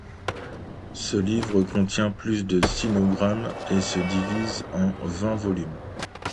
Ce livre contient plus de sinogrammes et se divise en vingt volumes.